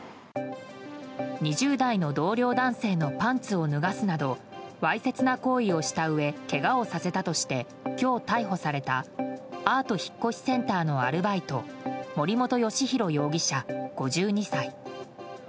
２０代の同僚男性のパンツを脱がすなどわいせつな行為をしたうえけがをさせたとして今日逮捕されたアート引越センターのアルバイト森本義洋容疑者、５２歳。